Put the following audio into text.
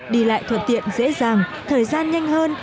đi lại thuận tiện dễ dàng thời gian nhanh hơn